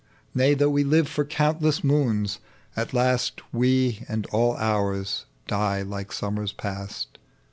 7 Kay, though we live for countless moons, at last We and all ours shall die like summera past.